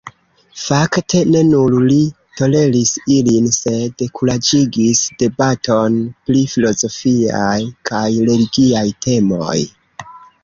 Fakte, ne nur li toleris ilin, sed kuraĝigis debaton pri filozofiaj kaj religiaj temoj.